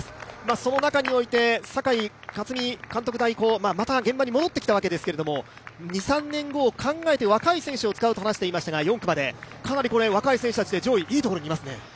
その中において、酒井勝充監督代行また現場に戻ってきたわけですが、２３年後を考えて若い選手を使うといっていましたが４区までの若い選手たちで上位、いいところにいますね。